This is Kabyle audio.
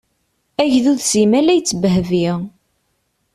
Agdud simmal a yettbehbi.